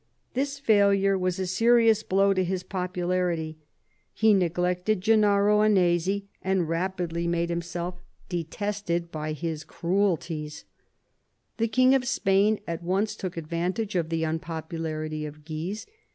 This failure was a serious blow to his popularity; he neglected Gennaro Annesi, and rapidly made himself detested 82 MAZARIN chap. by his cruelties. The King of Spain at once took advantage of the unpopularity of Guise.